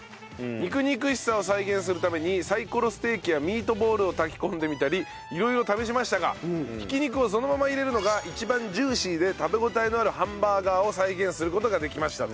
肉々しさを再現するためにサイコロステーキやミートボールを炊き込んでみたり色々試しましたが挽き肉をそのまま入れるのが一番ジューシーで食べ応えのあるハンバーガーを再現する事ができましたと。